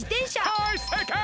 はいせいかい！